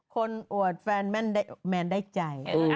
อวดแฟนแมนได้ใจ